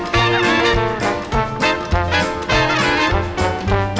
โปรดติดตามต่อไป